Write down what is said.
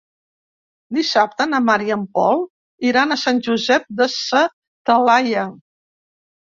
Dissabte na Mar i en Pol iran a Sant Josep de sa Talaia.